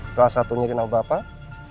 salah satunya rina bapak